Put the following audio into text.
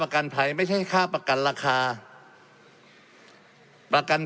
และมีผลกระทบไปทุกสาขาอาชีพชาติ